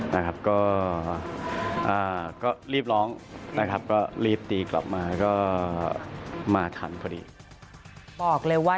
นะครับก็